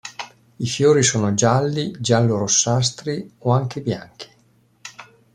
I fiori sono gialli, giallo-rossastri o anche bianchi.